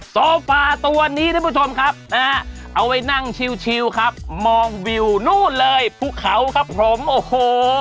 โซฟาตัวนี้นะครับเอาไว้นั่งชิวครับมองวิวนู้นเลยภูเขาครับผมโอ้โห